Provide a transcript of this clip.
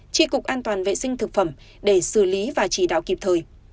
tri cục an toàn vệ sinh thực phẩm để xử lý và chỉ đạo kịp thời